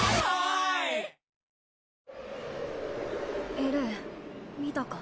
エレン見たか？